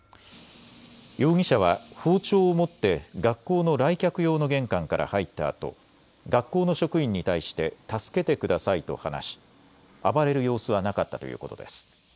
容疑者は包丁を持って学校の来客用の玄関から入ったあと学校の職員に対して助けてくださいと話し、暴れる様子はなかったということです。